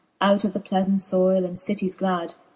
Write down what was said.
Out of the pleafent fbyle, and citties glad.